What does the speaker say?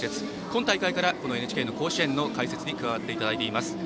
今大会からＮＨＫの甲子園の解説に加わっていただいています。